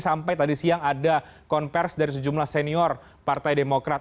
sampai tadi siang ada konversi dari sejumlah senior partai demokrat